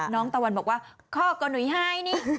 น้องตะวันบอกว่าข้าก็หนุยให้นี่